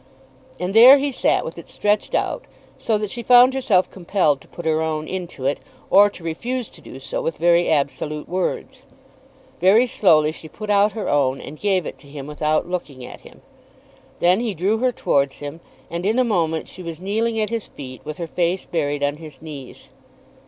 And there he sat with it stretched out, so that she found herself compelled to put her own into it, or to refuse to do so with very absolute words. Very slowly she put out her own, and gave it to him without looking at him. Then he drew her towards him, and in a moment she was kneeling at his feet, with her face buried on his knees.